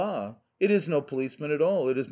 It is no policeman at all. It is M.